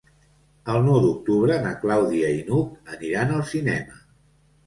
El nou d'octubre na Clàudia i n'Hug aniran al cinema.